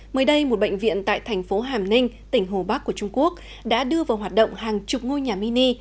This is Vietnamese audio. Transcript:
mới đây một bệnh viện tại thành phố hàm ninh tỉnh hồ bắc của trung quốc đã đưa vào hoạt động hàng chục ngôi nhà mini